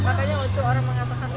makanya waktu orang mengamalkan